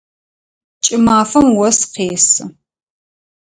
Кӏымафэм ос къесы.